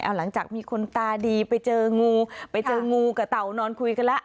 เอาหลังจากมีคนตาดีไปเจองูไปเจองูกับเต่านอนคุยกันแล้ว